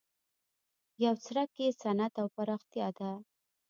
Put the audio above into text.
یو څرک یې صنعت او پراختیا ده.